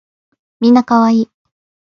みんな可愛い